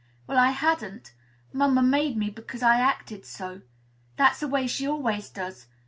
Well, I hadn't. Mamma made me, because I acted so. That's the way she always does.